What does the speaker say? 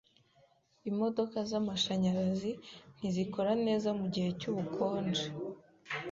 Imodoka zamashanyarazi ntizikora neza mugihe cyubukonje.